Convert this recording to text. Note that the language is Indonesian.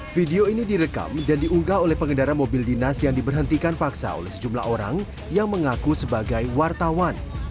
video ini direkam dan diunggah oleh pengendara mobil dinas yang diberhentikan paksa oleh sejumlah orang yang mengaku sebagai wartawan